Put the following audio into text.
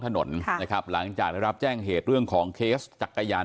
ถนนค่ะนะครับหลังจากได้รับแจ้งเหตุเรื่องของเคสจักรยาน